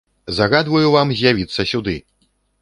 Загадваю вам з'явіцца сюды!